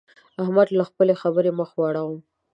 احمد له خپلې خبرې مخ واړاوو.